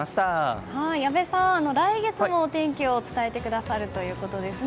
阿部さん、来月もお天気を伝えてくださるということですね。